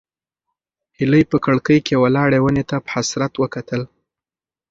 هیلې په کړکۍ کې ولاړې ونې ته په حسرت وکتل.